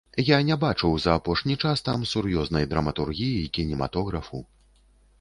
Я не бачыў за апошні час там сур'ёзнай драматургіі, кінематографу.